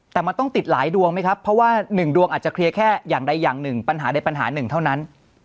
แต่มันต้องติดหลายดวงไหมครับเพราะว่าหนึ่งดวงอาจจะเคลียร์แค่อย่างใดอย่างหนึ่งปัญหาใดปัญหาหนึ่งเท่านั้น